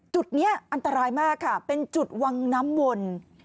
จุดนี้อันตรายมากค่ะเป็นจุดวังน้ำวน